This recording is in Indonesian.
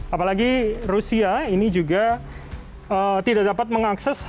apalagi rusia ini juga tidak dapat mengakses